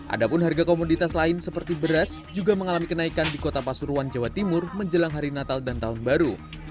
ada pun harga komoditas lain seperti beras juga mengalami kenaikan di kota pasuruan jawa timur menjelang hari natal dan tahun baru